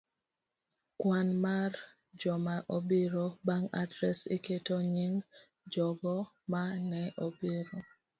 Kwan mar Joma obiro. Bang' adres, iketo nying jogo ma ne obiro